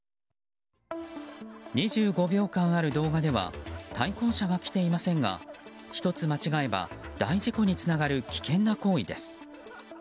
２５秒間ある動画では対向車は来ていませんがひとつ間違えば大事故につながる危険な行為です。